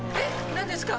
何ですか？